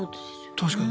確かに。